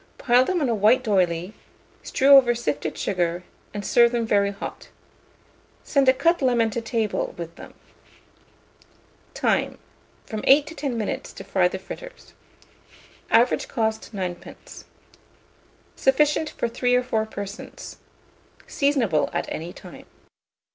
Pile them on a white d'oyley, strew over sifted sugar, and serve them very hot. Send a cut lemon to table with them. Time. From 8 to 10 minutes to fry the fritters. Average cost, 9d. Sufficient for 3 or 4 persons. Seasonable at any time.